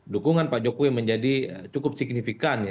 dukungan pak jokowi menjadi cukup signifikan